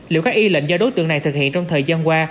liệu các y lệnh do đối tượng này thực hiện trong thời gian qua